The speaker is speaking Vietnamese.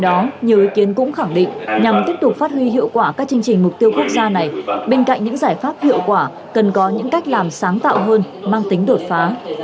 thứ kiến cũng khẳng định nhằm tiếp tục phát huy hiệu quả các chương trình mục tiêu quốc gia này bên cạnh những giải pháp hiệu quả cần có những cách làm sáng tạo hơn mang tính đột phá